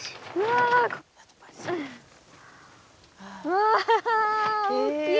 わ大きい。